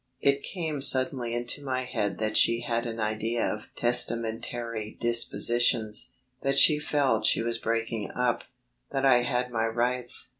It came suddenly into my head that she had an idea of testamentary dispositions, that she felt she was breaking up, that I had my rights.